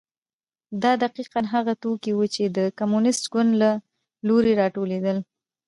دا دقیقا هغه توکي وو چې د کمونېست ګوند له لوري راټولېدل.